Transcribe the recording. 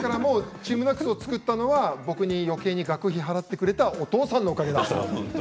ＴＥＡＭＮＡＣＳを作れたのは僕によけいに学費を払ってくれたお父さんのおかげなんです。